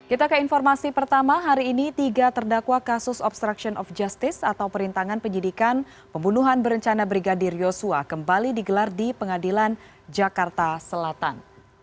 kita ke informasi pertama hari ini tiga terdakwa kasus obstruction of justice atau perintangan penyidikan pembunuhan berencana brigadir yosua kembali digelar di pengadilan jakarta selatan